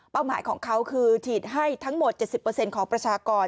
หมายของเขาคือฉีดให้ทั้งหมด๗๐ของประชากร